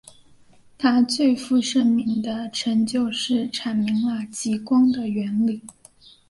他最负盛名的成就是阐明了极光的原理。